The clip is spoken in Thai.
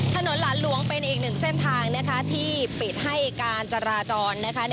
ถนนหลานหลวงเป็นอีกหนึ่งเส้นทางนะคะที่ปิดให้การจราจรนะคะ